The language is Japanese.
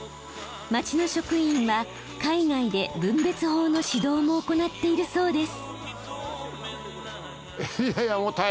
町の職員は海外で分別法の指導も行っているそうです。